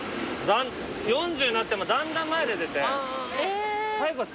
４０になってもだんだん前出てて。